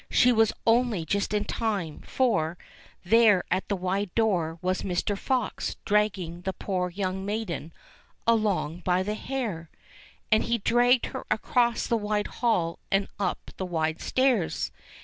She was only just in time, for, there at the wide door, was Mr. Fox dragging the poor young maiden along by the hair ; and he dragged her across the wide hall and up the wide stairs.